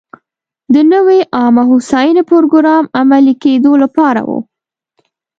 د نوې عامه هوساینې پروګرام عملي کېدو لپاره و.